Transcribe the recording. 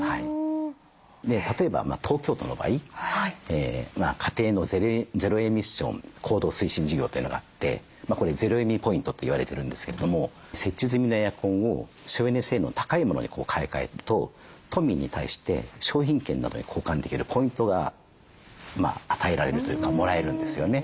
例えば東京都の場合家庭のゼロエミッション行動推進事業というのがあってこれゼロエミポイントと言われてるんですけれども設置済みのエアコンを省エネ性能の高いものに買い替えると都民に対して商品券などに交換できるポイントが与えられるというかもらえるんですよね。